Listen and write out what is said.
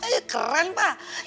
iya keren pak